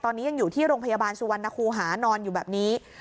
ตอนนี้ยังอยู่ที่โรงพยาบาลสุวรรณคูหานอนอยู่แบบนี้